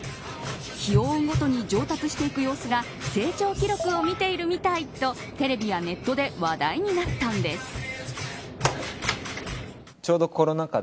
日を追うごとに上達していく様子が成長記録を見ているみたいとテレビやネットで話題になったんです。